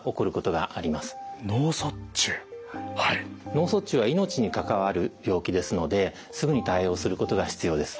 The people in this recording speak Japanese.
脳卒中は命に関わる病気ですのですぐに対応することが必要です。